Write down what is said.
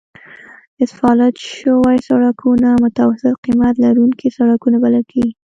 اسفالت شوي سړکونه متوسط قیمت لرونکي سړکونه بلل کیږي